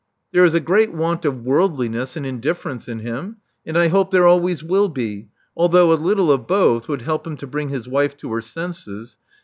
There is a great want of worldliness and indiflPerence in him ; and I hope there always will be, although a little of both would help him to bring his wife to her senses.